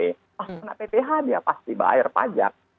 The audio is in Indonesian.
oh kena pth dia pasti bayar pajak